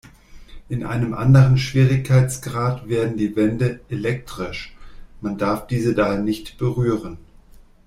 In einem anderen Schwierigkeitsgrad werden die Wände „elektrisch“, man darf diese daher nicht berühren.